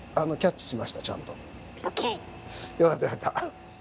よかったよかった。